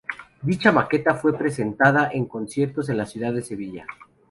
Dicha maqueta fue presentada en conciertos en la ciudad de Sevilla.